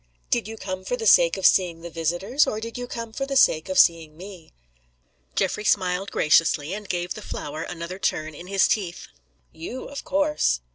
"Did you come for the sake of seeing the visitors, or did you come for the sake of seeing Me?" Geoffrey smiled graciously, and gave the flower another turn in his teeth. "You. Of course."